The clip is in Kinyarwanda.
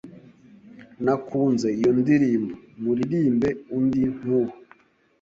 Nakunze iyo ndirimbo. Muririmbe undi nkuwo.